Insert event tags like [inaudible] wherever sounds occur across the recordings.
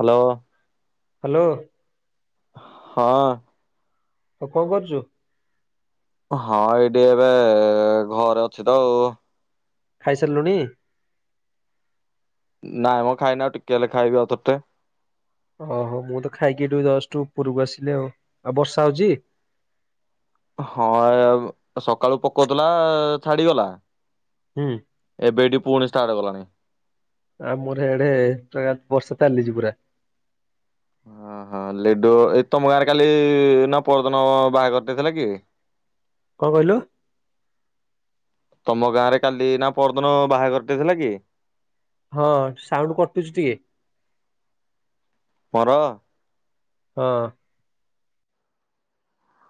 Hello. Hello. ହଁ। ଆଉ କଣ କରୁଛୁ? ହଁ ଏଇଠି ଏବେ ଘରେ ଅଛି ତ ଆଉ ଖାଇସାରିଲୁଣି ନାଇଁ ମୁଁ ଖାଇନୀ ଆଉ ଟିକେ ହେଲେ ଖାଇବିଉଥରେ। ଓହୋ ମୁଁ ତ ଖାଇକି ଏଠୁ ଜଟ୍ ଉରକୁ ଆସିଲି ଆଉ ଆଉ ବର୍ଷା ହଉଛି। ହଁ ସକାଳୁ ପକଉଥିଲା ଛାଡିଗଲା। ହୁଁ। ଏବେ ଏଠି ପୁଣି ଷ୍ଟାର୍ଟ କଲାଣ। ଆମର ଏଡେ ବର୍ଷା ଚାଲିଛି ପୁରା ଓହୋ ଲେଡୁ ଏ ତମ ଗାଁରେ କାଲି ନା ପହଦିନ ବାହାଘର ଟେ ଥିଲା କି [unintelligible] କଣ କହିଲୁ ତମ ଗାଁ ରେ କାଲି ନା ପହଦିନ ବାହାଘରଟେ ଥିଲା କି ହଁ ସାଉଣ୍ଡ୍ କଟୁଛି ଟିକେ ମୋର ହଁ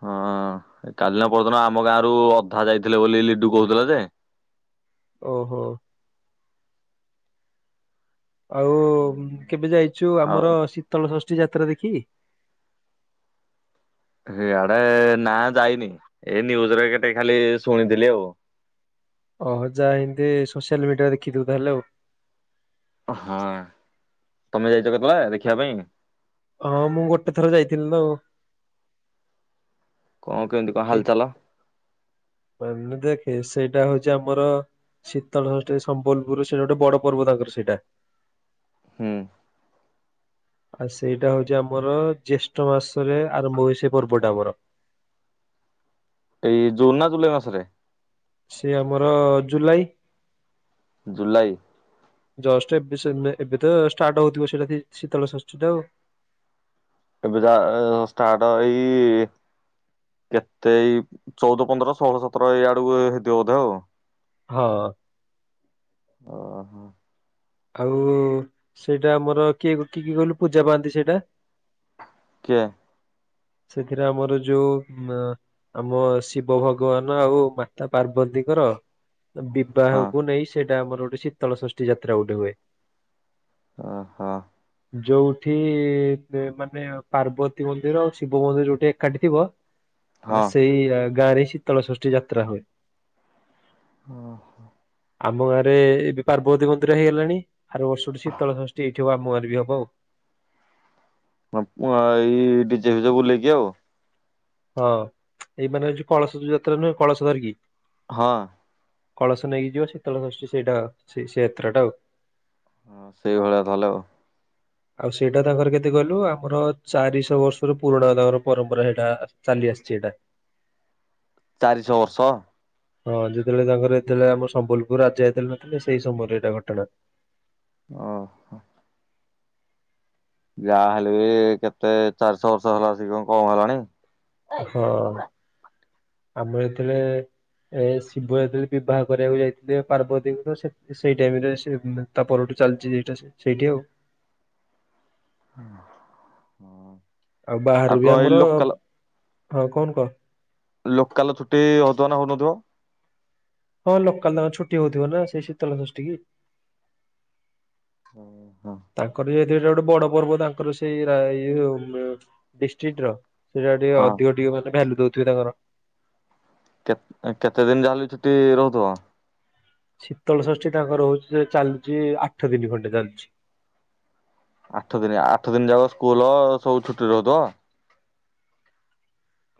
ହଁ କାଲିିନା ପହଦିନ ଆମ ଗାଁ ରୁ ଅଧା ଯାଇଥିଲେ ବୋଲି ଲିଡୁ କହୁଥିଲା ଯେ ଓହୋ ଆଉ କେବେ ଯାଇଚୁ ଆଉ ଆମର ଶୀତଳ ଷଷ୍ଠୀ ଯାତ୍ରା ଦେଖି। ସେଇଆଡେ ନା ଯାଇନି ଏଇ ନ୍ୟୁଜ ରେ କେତେ ଖାଲି ଶୁଣିଥିଲି ଆଉ ଓହ ଯାଇକି ସୋସିଆଲ ମିଡିଆରେ ଦେଖିଥିବୁ ତାହେଲେ ଆଉ ହଁ ତମେ ଯାଇଚ କେତେବେଳେ ଦେଖିବା ପାଇଁ। ହଁ ମୁଁ ଗୋଟେ ଥର ଯାଇଥିଲି ତ ଆଉ କଁ କେମିତି କଣ ହେ, ହାଲଚାଲ ମାନେ ଦେଖେ ସେଇଟା ହଉଛି ଆମର ଶୀତଳ ଷଷ୍ଠୀ ସମ୍ବଲପୁର ସେଟା ଗୋଟେ ବଡ ପର୍ବ ତାଙ୍କର ସେଇଟା। ହୁଁ ଆଉ ସେଇଟା ହଉଛି ଆମର ଜ୍ୟେଷ୍ଠ ମାସରେ ଆରମ୍ଭ ହୁଏ ସେ ପର୍ବଟା ଆମର। ଏଇ ଜୁନ୍ ନା ଜୁଲାଇ ମାସରେ। ସେ ଆମର ଜୁଲାଇ ଜୁଲାଇ ଜଷ୍ଟ୍ ଏବେ ଏବେ ତ ଷ୍ଟାର୍ଟ ହଉଥିବ ସେଟା ଶୀତଳ ଷଷ୍ଠୀ ଟା ଆଉ ଏବେ ଯା ଷ୍ଟାର୍ଟ ଏଇ କେତେ ଏଇ ଚଉଦ ପନ୍ଦର ଷୋହଳ ସତର ଏଇଆଡକୁ ହେଇଥିବ ବୋଧେ ଆଉ ହଁ ଓହୋ ଆଉ ସେଇଟା ଆମର କିଏ କିଏ କହିଲୁ ପୂଜା ପାଆନ୍ତି ସେଇଟା କିଏ ସେଥିରେ ଆମର ଯୋଉ ଉ ଆମ ଶିବ ଭଗବାନ ଆଉ ମାତା ପାର୍ବତୀଙ୍କର ହଁ ବିବାହକୁ ନେଇ ସେଇଟା ଆମର ଗୋଟେ ଶୀତଳ ଷଷ୍ଠୀ ଯାତ୍ରା ଗୋଟେ ହୁଏ। ଓ ହୋ ଯୋଉଠି ମାନେ ପାର୍ବତୀ ମନ୍ଦିର ଆଉ ଶିବ ମନ୍ଦିର ଯୋଉଠି ଏକାଠି ଥିବ। ହ ସେଇ ଗାଁରେ ଶୀତଳ ଷଷ୍ଠୀ ଯାତ୍ରା ହୁଏ ଓ ହୋ ଆମ ଗାଁରେ ଏବେ ପାର୍ବତୀ ମନ୍ଦିର ହେଇଗଲାଣି ଆର ବର୍ଷଠି ଶୀତଳ ଷଷ୍ଠୀଇ ଉିବ ମୁୋଁର ବି ହବ ଆଉ ହଁ ଏଇ ଡିଜେ ଫିଜେକୁୁ ନେଇେଇକି ଆଉ ହଁ ଏଇ ମାନେ ଯଉ କଳସ ଯାତ୍ରା ନୁହେଁ କଳସ ଧରିକି ହଁ କଳସ ନେଇକିଯିବ ଶୀତଳ ସଷ୍ଠି ସେଇଟା ସେତ୍ରାଟା ଆଉ ସେଇଭଳିଆ ତାହଲେ ଆଉ ସେଇଟା ତାଙ୍କର କେତେ କହିଲୁ ଆମର ଚାରିଶହ ବର୍ଷର ପୁରୁଣା ତାଙ୍କର ପରମ୍ପରା ସେଇଟା ସନ୍ଦି ଅସିଛିଟା ଚାରି ଛଅ ବର୍ଷ ହଁ ଯେତେବେଳେ ତାଙ୍କର ଏତେଳେ ଆମ ସମ୍ବଲପୁର ରାଜା ହେଇଥିଲା ନଥିଲେ ସେଇ ସମୟରେ ଏଇଟା ଘଟଣା ଓହୋ ଯାହା ହେଲେ ବି କେତେ ଚାରିଶଛ ବର୍ଷ ହେଲା ସେ କଣ କମ ହେଲାଣି ହଁ ଆମର ଏଥିରେ ଏ ଶିବ ଯେତେଳେ ବିବାହ କରିଆକୁ ଯାଇଥିଲେ ପାର୍ବତୀଙ୍କୁ ତ ସେଇ ଟାଇମ୍ ରେ ସେ ତା ପରଠୁ ଚାଲିଚି ଏଇଟା ସେଇଠି ଆଉ। ହୁଁ ହଁ ଆଉ ବାହାରୁ ବି ଆମର, ହଁ କଉନୁ କ। ଲୋକାଲ ଛୁଟି ହଉଥିବ ନା ହଉନଥିବ? ହଁ ଲୋକାଲ ତାଙ୍କର ଛୁଟି ହଉଥିବ ନା ସେଇ ଶୀତଳ ଷଷ୍ଟି କି। ହଁ। ତାଙ୍କର [unintelligible] ଗୋଟେ ବଡ ପର୍ବ ତାଙ୍କର ସେଇ ଡିଷ୍ଟ୍ରିଟ୍ ର। ସେଇଟା ଟିକେ ହଁ ଅଧିକ ଟିକେ ମାନେ ଭ୍ୟାଲ୍ୟୁ ଦଉଥିବେ ତାଙ୍କର। କେତ୍ କେତେ ଦିନ୍ ଯାହେଲେ ବି ଛୁଟି ରହୁଥିବ? ଶୀତଳ ଷଷ୍ଠୀ ତାଙ୍କର ହଉଚି ଯେ ଚାଲୁଚି ଆଠ ଦିନି ଖଣ୍ଡେ ଚାଲୁଛି। ଆଠ ଦିନି ଆଠ ଦିନ୍ ଯାକ ସ୍କୁଲ ସବୁ ଛୁଟି ରହୁଥିବ?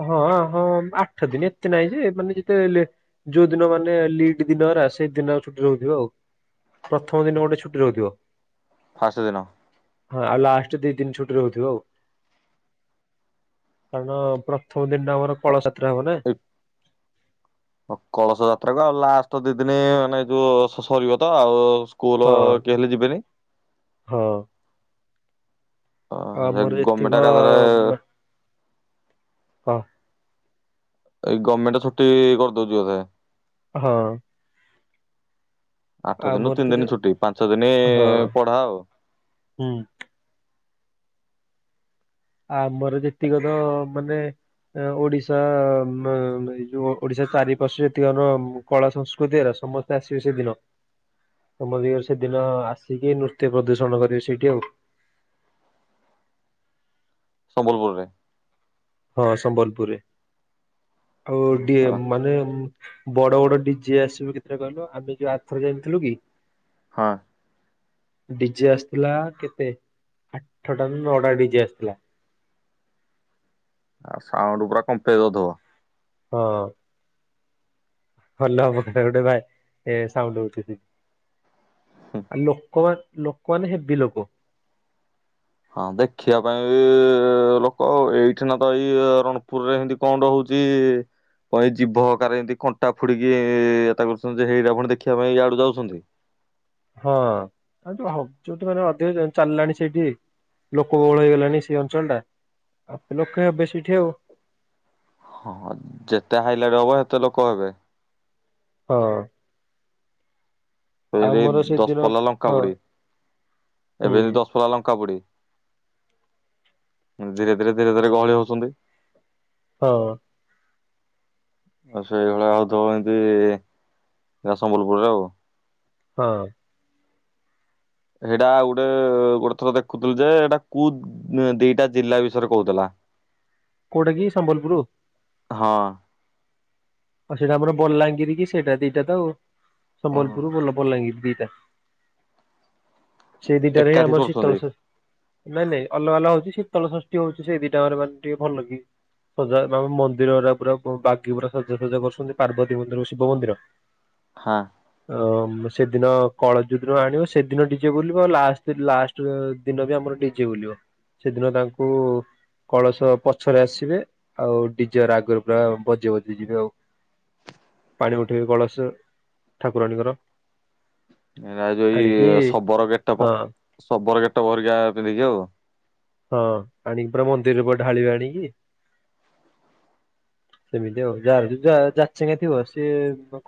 ହଁ-ହଁ ଆଠ ଦିନି ଏତେ ନାହିଁ ଯେ, ମାନେ ଯେତେ ଲେ ଯୋଉଦିନ ମାନେ ଲିଟ୍ ଦିନଗୋରା, ସେଇଦିନ ଛୁଟି ରହୁଥିବ ଆଉ। ପ୍ରଥମ ଦିନ ଗୋଟେ ଛୁଟି ରହୁଥିବ। ଫାଷ୍ଟ ଦିନ। ହଁ ଆଉ ଲାଷ୍ଟ ଦି ତିନ ଛଟି ରହୁଥିବ ଆଉ। କାରଣ ପ୍ରଥମ ଦିନଟା ଆମର କଳସ ଯାତ୍ରା ହବ ନା। ଏଇ କଳସ ଯାତ୍ରାକୁ ଆଉ ଲାଷ୍ଟ ଦି ଦିନି ମାନେ ଯୋଉ ସରିବ ତ ଆଉ। କୁଲ ହଁ କି ହେଲେ ଯିବେନି। ହଁ। ଅ ସେ ଆମର ଗଭର୍ଣ୍ଣମେଣ୍ଟ ଏତିକ ଏକାଥରେ ମା ହଁ। ଏଇ ଗମେଣ୍ଟ ଛୁଟି କରିଦଉଚି ବୋଧେ। ହଁ। ଆଠ ଦିନୁ ଆମର ତ ତିନି ଯେ ଦିନ ଛୁଟି ପାଞ୍ଚ ଦିନି ହଁ ପଢା ଆଉ। ହୁଁ। ଆମର ଯେତିକ ତ ମାନେ ଓଡିଶା ଏଯୋଉ ଓଡିଶା ଚାରିପାଶ୍ୱ ଯେତିକ ଆମର କଳା ସଂସ୍କୃତିର ସମସ୍ତେ ଆସିବେ ସେଦିନ। [unintelligible] ତମ ଦିଗରେ ସେଦିନ ଆସିକି ନୃତ୍ୟ ପ୍ରଦୁର୍ଶଣ କରିବେ ସେଇଠି ଆଉ। ସମ୍ବଲପୁରରେ? ହଁ ସମ୍ବଲପୁରରେ ଆଉ ଡିଏ ମାନେ ବଡ-ବଡ ଡିଜେ ଆସିବେ କେତେଟା କହିଲୁ, ଆମେ ଯୋଉ ଆର୍ଥର ଯାଇନଥିଲୁ କି? ହଁ। ଡିଜେ ଆସିଥିଲା କେତେ ଆଠଟା ନା ନଅଟା ଡିଜେ ଆସିଥିଲା। ଆଉ ସାଉଣ୍ଡ ପୁରା କମ୍ପେଇ ଦଉଥବ? ହଁ। ଭଲ ହବ [unintelligible] ଗୋଟେ ଭାଇ ଏ ସାଉଣ୍ଡ ହଉଚି [unintelligible] ଆ ଲୋକ ଲୋକମାନେ ହେବି ଲୋକ। ହଁ ଦେଖିବା ପାଇଁ ବି ଲୋକ ଆଉ ଏଇଠି ନା ତ ଏଇ ରଣପୁରରେ ଏନ୍ତି କଣ ଟେ ହଉଚି କଣ ଏଇ ଜୀଭ ଅକରେ ଏମିତି କଣ୍ଟା ଫୁଡିକି [unintelligible] କରୁଛନ୍ତି ଯେ ସେଇଟା ଫୁଣି ଦେଖିବା ପାଇଁ ଇଆଡୁ ଯାଉଛନ୍ତି। ହଁ [unintelligible] ଯୋଉଠ ମାନେ ଅଧିକ ଚାଲିଲାଣି ସେଇଠି ଲୋକ ବହୁଳ ହେଇଗଲାଣି ସେଇ ଅଞ୍ଚଳଟା, ଲୋକେ ହେବେ ସେଇଠି ଆଉ। ହଁ ଯେତେ ହାଇଲାଇଟ୍ ହବ, ସେତେ ଲୋକ ହେବେ। ହଁ। ଆଉ ଯେନ୍ତି ମୋର ସେଦିନ ଦଶପଲା ଲଙ୍କା ହଁ ପୋଡ଼ି, ହୁଁ ଏବେ ଯେନ୍ତି ଦଶପଲା ଲଙ୍କା ପୋଡି। ଧୀରେ ଧୀରେ ଧୀରେ ଧୀରେ ଗହଳି ହଉଛନ୍ତି। ହଁ। ଆଉ ସେଇଭଳିଆ ହେଉଥବ ଏମତି ସମ୍ବଲପୁରରେ ଆଉ। ହଁ। ଏଡା ଗୋଟେ ଗୋଟେ ଥର ଦେଖୁଥିଲୁ ଯେ ଏଇଟା କୋଉ ଦିଟା ଜିଲ୍ଲା ବିଷୟରେ କହୁଥିଲା। [inaudible] କୋଉଟା କି ସମ୍ବଲପୁରୁ। ହଁ। ସେଇଟା ଆମର ବଲାଙ୍ଗୀରି କି ସେଇଟା ଦିଟା ତ ଆଉ ସମ୍ବଲପୁର ବଲାଙ୍ଗୀରି ଦିଟା। ସେଇ ଦିଟାରେ ଏକାଠି ଆମର କରୁଛନ୍ତି ଶୀତଳ ସଶି ନାଇଁ ନାଇଁ ଅଲଗା ଅଲଗାହଉଚି ଶିତଳଷଷ୍ଟିହଉଛି ସେ ଦିଟାରେ ମାନେ ଟିକେ ଭଲକି। ସଜା ମେ ମନ୍ଦିରା ପୁରା ବାଗି ପୁରା ସଜା। ପୂଜା କରୁଛନ୍ତି ପାର୍ବତୀ ମନ୍ଦିର ଓ ଶିବ ମନ୍ଦିର। ହଁ। ଓ ସେଦିନ କଳଯୁଦ୍ର ଆଣିବ ସେଦିନ ଡିଜେ ବୁଲିବ ଲାଷ୍ଟ ଲାଷ୍ଟ। ସେଦିନ ବି ଆମର ଡିଜେ ବୁଲିବ ସେଦିନ ତାଙ୍କୁ। କଳସ ପଛରେ ଆସିବେ ଆଉ ଡିଜ ଆଗରୁ ପୁରା ବଜେଇ ଜେଇ ଯିବେ ଆଉ। ପାଣି ଉଠେଇ କଳସ ଠାକୁରାଣୀଙ୍କର। ଏରାଯଉ ଆଣିକି ଶବରଗେଟପ ହଁ ଶବରଗେଟପ ପରିକା ପିନ୍ଧିକି ଆଉ। ହଁ ଆଣିକି ପରା ମନ୍ଦିରରେ ଢାଳିବେ ଆଣିକି। [inaudible] ସେମିତି ଆଉ ଯାହାର ଯା ଯାଚେଙ୍ଗା ଥିବ ସିଏ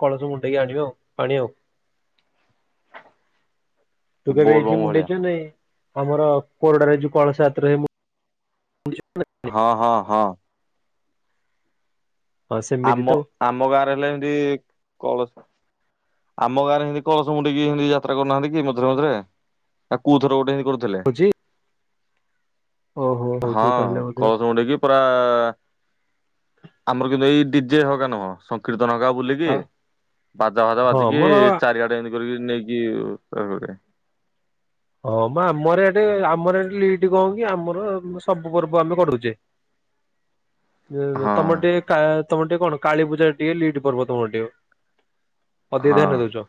କଳସ ମୁଣ୍ଡେଇକି ଆଣିବ ଆଉ ପାଣି ଆଉ। [inaudible] ଏ ତୁ କେବେ ଏଇଠି ବୋଲବମ୍ ଭଳିଆ ମୁଣ୍ଡେଇଛୁ ନାଇଁ ଆମର କୋରଡାରେ ଯ କଳସାତରେ ମୁ ହଁ ହଁ ହଁ। ହଁ ସେମିତି ତ ଆମ ଆମ ଗାଁରେ ହେଲେ ଏମତି କଳସ ଆମ ଗାଁରେ ହେତି କଳସ ମୁଣ୍ଡିକି ହିତି ଯାତ୍ରା କରନାହାନ୍ତି ମଝିରେ ମଝିରେ ଆଉ କଉଥର ଗୋଟେ ସେଥି କରୁ ଥିଲେ। ହଉଛି ଓହୋ ହଁ ହଉଥିବ ତାହେଲେ ବୋଧେ କଳସ ମୁଣ୍ଡେଇକି ପା ଆମର କିନ୍ତୁ ଏଇ ଡିଜେ ହରିକା ନୁହଁ। କୀର୍ତ୍ତନ ହକା ବୁଲିକି ଆଉ ବାଜା ଫାଜା ହଁ ମ ବାଜିକି ଚାରିଆଡେ ହେନ୍ତି କରିକ ନେଇକି [unintelligible] ହଁ ମା ଆମର ଏଠି ଆମର ଏଠି ଲିଟ କହ କି ଆମର ସବୁ ପର୍ବ ଆମେ କଢୁଛେ। [inaudible] ହଁ ତମର ଟିକେ କା ତମର ଟିକେ କଣ କାଳୀ ପୂଜା ଟିକେ ଲିଠ ପର୍ବ ତମର ଟିକେ। ଅଧିକ ହଁ ଧ୍ୟାନ ଦଉଛ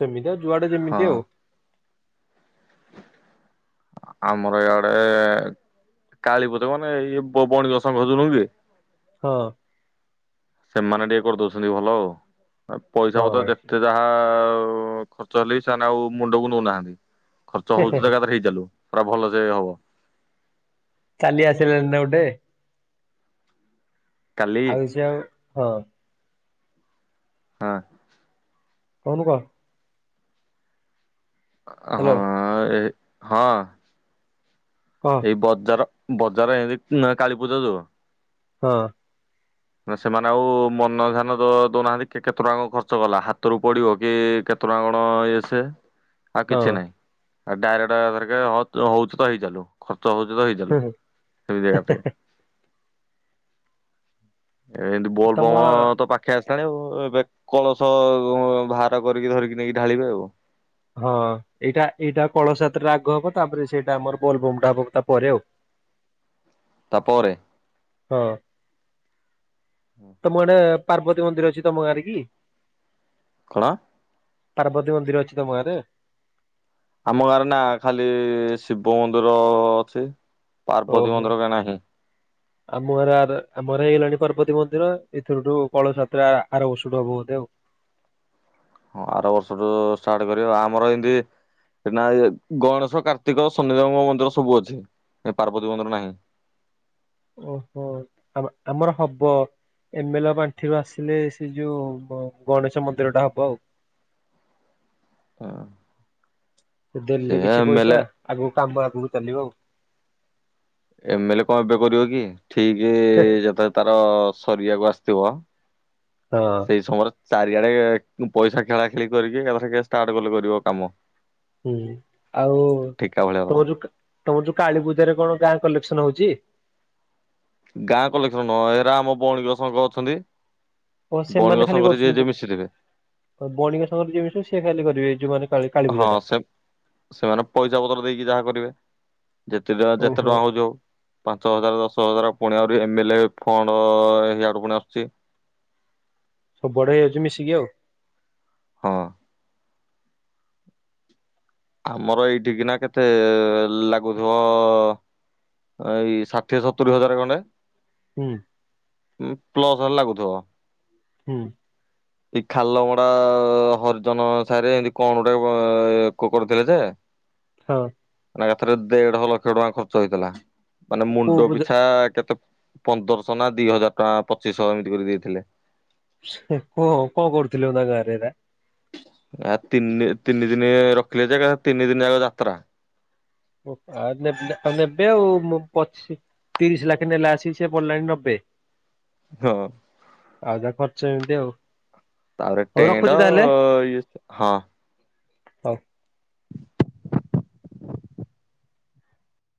ସେମିତି ଆଉ ଯୁଆଡେ ହଁ ଯେମିତି ଆଉ। ଆମର ଇଆଡେ କାଳୀପୂଜା ମାନେ ଇଏ ବଣ ଗସ ଖୋଜୁନୁଁ କି। ହଁ। ସେମାନେ ଟିକେ କରିଦଉଛନ୍ତି ଭଲ ଆଉ ପଇସା ହଁ ପତ ଯେତେ ହେ ଯାହା ଖର୍ଚ୍ଚ ହେଲେ ବି ସେମାନେ ଆଉ ମୁଣ୍ଡକୁ ନଉନାହାନ୍ତି ଖର୍ଚ୍ଚ ହେ ହଉଚ ତ ଏକଥରେ ହେଇ ଚାଲୁ। ପୁରା ଭଲ ଯେ ହବ। କାଲି ଆସିଲାଣି ନା ଗୋଟେ। କାଲି ଆଉ ସେ ଆଉ ହଁ ହଁ। କହନୁ କହ। ହ୍ୟାଲୋ ହଁ ହଁ। କହ। ଏଇ ବଜାର ବଜାର ଏମତି କାଳୀପୂଜା ଯୁ ହଁ। ମ ସେମାନେ ଆଉ ମନ ଧ୍ୟାନ ତ ଦଉନାହାନ୍ତି କେତେ ଟଙ୍କା ଖର୍ଚ୍ଚ କଲା ହାତରୁ ପଡିବ କି କେ କେତେ ଟଙ୍କା କଣ ଇଏ ସିଏ ଆଉ ହଁ କିଛି ନାହିଁ ଆ ଡାଇରେକ୍ଟର ହଉଛି ତ ହେଇ ଚାଲୁ ଖର୍ଚ୍ଚ ହଉଛି ତ ହେଇ ଚାଲୁ ସେମିତି ଜାଗା ପାଇଁ ଏ ଏମିତି ତମ ବୋଲବମ୍ ତ ପା ଖେଇ ଆସିଲାଣି ଆଉ ଏବେ କଳସ ବାହାର କରିକି ଧରିକି ନେଇକି ଢାଳିବେ ଆଉ ହଁ ଏଇଟା ଏଇଟା କଳସଯାତ୍ରା ଆଗ ହବ ତାପରେ ସେଇଟା ଆମର ବୋଲ ବୋମ ଟା ହବ ତାପରେ ଆଉ ତାପରେ ହଁ ତମ ଗଟେ ପାର୍ବତୀ ମନ୍ଦିର ଅଛି ତମ ଗାଁରେ କି? କଣ ପାର୍ବତୀ ମନ୍ଦିର ଅଛି ତମଗାଁ ରେ? ଆମ ଗାଁରେ ନା ଖାଲି ଶିବ ମନ୍ଦିର ଅଛି। ପାର୍ବତୀ ଓହୋ ମନ୍ଦିର କାଇଁ ନାହିଁ। ଆମର ଆମର ହେଇଗଲାଣି ପାର୍ବତୀ ମନ୍ଦିର ଏଥିରୁଠୁ କଳସାତରେ ଆର ବର୍ଷ ଠୁ ହବ ବୋଧେ ଆଉ। ହଁ ଆର ବର୍ଷଠୁ ଷ୍ଟାର୍ଟ କରିବ ଆମର ଏମତି ସେଟ ଗଣେଶ କାର୍ତ୍ତିକ ଶନିଦେବଙ୍କ ମନ୍ଦିର ସବୁ ଅଛି ପାର୍ବତୀ ମନ୍ଦିର ନାହିଁ। ଓହୋ ଆ ଆମର ହବ। ଏମଲ ପାଣ୍ଠିରୁୁ ଆସିଲେ ସେ ଯୋଉ ଗଣେଶ ମନ୍ଦିର ଟା ହବ ଆଉ। ହ ସେ ଦେଲେ କିଛି ପଇସା ଆଗକୁ କାମ ଆଗକୁ ଚାଲିବ ଆଉ ଏମଲେ କଣ ଏବେ କରିବ କି ଠିକ ଯେତେବେଳେ ତାର ସରିିବାକୁ ଆସିଥିବ ହଁ ସେଇ ସମୟରେ ଚାରିଆଡେ ପଇସା ଖେଳା ଖେଳି କରିକି ଷ୍ଟାର୍ଟ କଲେ କରିବ କାମ। ହୁଁ ଆଉ ଠିକା ଭଳିଆ ହବ। ତମର ଯୋଉ ତମର ଯୋଉ କା କାଳୀପୂଜରେ କଣ ଗାଁ କଲେକ୍ସନ ହଉଛି। ଗାଁ କ କଲେକ୍ସନ ନୁହଁ ହେରା ଆମ ବଣୀଙ୍କ ଶଙ୍ଗ ଅଛନ୍ତି। ଓ ସେମାନେ ବଣର ଖାଲି ସଂଙ୍ଗରେ ଯିଏ କରୁଛନ୍ତି ଯିଏ ବ- ମିଶିଥିବେ ବଣିକ ସଂଘ ରେ ଯିଏ ମିଶିବେ ସିଏ ଖାଲି କରିବେ ଯୋଉମାନେ କାଳୀ କାଳୀ ହଁ ପୂଜା ଟା। ସେ ସେମାନେ ପଇସା ପତ୍ର ଦେଇକି ଯାହା କରିବେ ଯେତେ ଟ ଯେତେ ଓହୋ ଟଙ୍କା ହଉଛ ହଉ। ପାଞ୍ଚ ହଜାର ଦଶ ହଜାର ପୁଣି ଆଉରି ଏମ ଏଲ ଏ ଫଣ୍ଡ ଇଆଡୁ ପୁଣି ଆସୁଛି। ସବୁ ବଡ ହେଇଯାଉଛି ମିଶିକି ଆଉ ହଁ ଆମର ଏଇଠିକିନା କେତେ ଲାଗୁଥିବ ଏଇ ଷାଠିଏ ସତୁରି ହଜାର ଖଣ୍ଡେ ହୁଁ ପ୍ଲସ ରେ ଲାଗୁଥିବ। ହୁଁ ଏ ଖାଲମଡା ହରିଜନ ସାହିରେ ଏମିତି କଣ ଗୋଟେ କ କରୁଥିଲେ ଯେ ହଁ ମାନେ ଏକାଥରେ ଦେଢ ଲକ୍ଷ ଟଙ୍କା ଖର୍ଚ୍ଚ ହେଇଥିଲା ମାନେ କୋଉ ମୁଣ୍ଡ ପୂଜା ପିଛା କେତେ ପନ୍ଦରଶହ ନା ଦି ହଜାର ଟଙ୍କା ପଚିଶହ ଏମିତି କରି ଦେଇଥିଲେ। ସେ କହ କଣ କରୁଥିଲି ତା ଗାଁରେ ଏଟା ଆ ତିନି ତିନି ଦିନ ରଖିଲେ ଯେ ତିନି ଦିନ ଯାକ ଯାତ୍ରା। ଅ ଆ ନେବେ ଆଉ ମୁ ପଚିଶ ତିରିଶ ଲାକି ନେଲା ସିକି ସେ ପଡିଲାଣି ନବେ। ହଁ ଆଉ ଯାହା ଖର୍ଚ୍ଚ ଏମିତି ଆଉ। ତାପରେ ହଉ ଟେଣ୍ଡ ରଖୁଛି ତାହେଲେ ଇଏ ହଁ ହଉ।